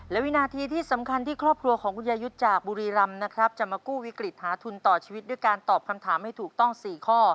และวินาทีที่สำคัญที่ครอบครัวของคุณยายุทธ์จากบุรีรำนะครับจะมากู้วิกฤตหาทุนต่อชีวิตด้วยการตอบคำถามให้ถูกต้อง๔ข้อ